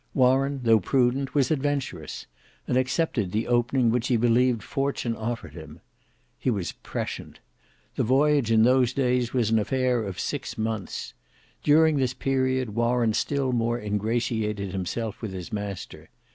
Warren, though prudent, was adventurous; and accepted the opening which he believed fortune offered him. He was prescient. The voyage in those days was an affair of six months. During this period, Warren still more ingratiated himself with his master.